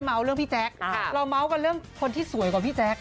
เรื่องพี่แจ๊คเราเมาส์กันเรื่องคนที่สวยกว่าพี่แจ๊ค